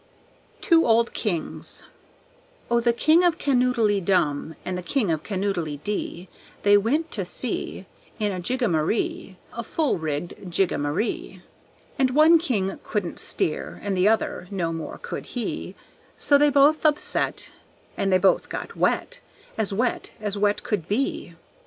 Two Old Kings Oh! the King of Kanoodledum And the King of Kanoodledee, They went to sea In a jigamaree A full rigged jigamaree. And one king couldn't steer, And the other, no more could he; So they both upset And they both got wet, As wet as wet could be.